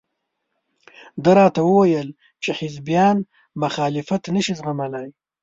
ده راته وویل چې حزبیان مخالفت نشي زغملى.